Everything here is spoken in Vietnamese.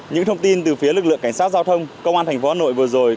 những thông tin từ phía lực lượng cảnh sát giao thông công an thành phố hà nội vừa rồi